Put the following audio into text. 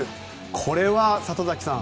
これは里崎さん